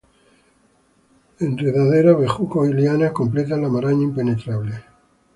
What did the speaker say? Enredaderas, bejucos y lianas completan la maraña impenetrable.